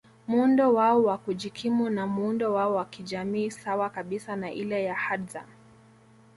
Muundo wao wakujikimu na muundo wao wakijamii sawa kabisa na ile ya Hadza